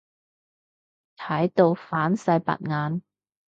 睇到反晒白眼。